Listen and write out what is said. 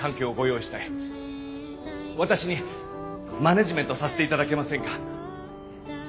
私にマネジメントさせて頂けませんか？